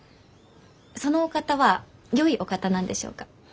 そのお方はよいお方なんでしょうか？